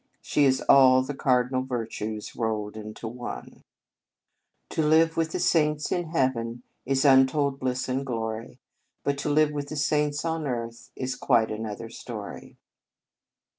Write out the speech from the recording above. She is all the Cardinal Virtues rolled into one. 62 The Convent Stage To live with the Saints in Heaven Is untold bliss and glory ; But to live with the saints on earth Is quite another story.